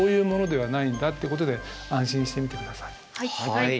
はい。